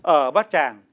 ở bát tràng